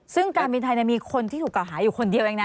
ซึ่งการบินไทยมีคนที่ถูกเก่าหาอยู่คนเดียวเองนะ